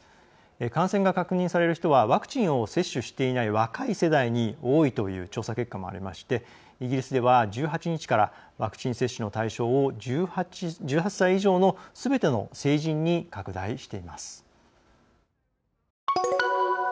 感染が確認される人はワクチンを接種していない若い世代に多いという調査結果もありましてイギリスでは、１８日からワクチン接種の対象を１８歳以上のすべての成人に拡大しています。